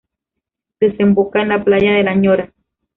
Desemboca en la Playa de la Ñora.